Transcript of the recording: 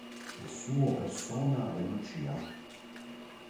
Il suo Persona è Lucia.